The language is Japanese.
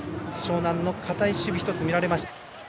樟南の堅い守備見られました。